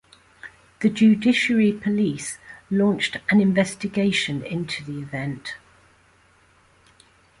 The Judiciary Police launched an investigation into the event.